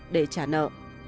để trả nợ